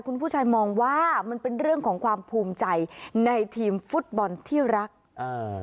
คุณผู้ชายมองว่ามันเป็นเรื่องของความภูมิใจในทีมฟุตบอลที่รักอ่า